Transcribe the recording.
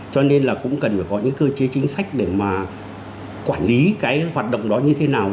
cho nên là cũng cần phải có những cơ chế chính sách để mà quản lý cái hoạt động đó như thế nào